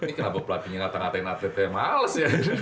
ini kenapa pelatihnya ngata ngatain atletnya males ya